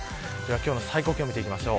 今日の最高気温を見ていきます。